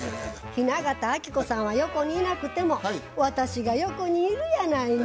雛形あきこさんは横にいなくても私が横にいるやないの。